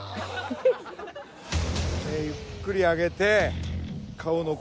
ゆっくり上げて顔残す。